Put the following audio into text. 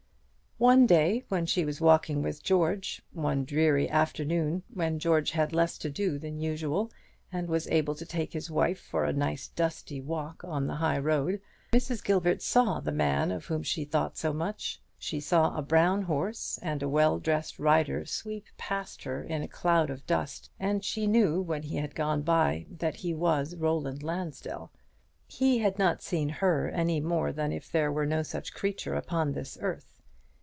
One day when she was walking with George, one dreary afternoon, when George had less to do than usual, and was able to take his wife for a nice dusty walk on the high road, Mrs. Gilbert saw the man of whom she had thought so much. She saw a brown horse and a well dressed rider sweep past her in a cloud of dust; and she knew, when he had gone by, that he was Roland Lansdell. He had not seen her any more than if there was no such creature upon this earth.